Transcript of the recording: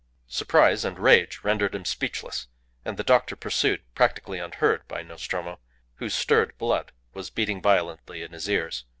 Surprise and rage rendered him speechless, and the doctor pursued, practically unheard by Nostromo, whose stirred blood was beating violently in his ears.